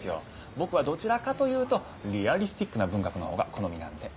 僕はどちらかというとリアリスティックな文学のほうが好みなんで。